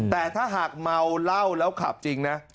แต่ถ้าหากเมาเหล้าแล้วขับจริงนะ